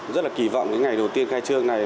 rất là kỳ vọng cái ngày đầu tiên khai trương này